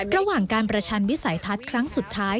ระหว่างการประชันวิสัยทัศน์ครั้งสุดท้าย